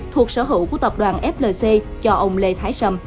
thuộc sở hữu của tập đoàn flc cho ông lê thái sầm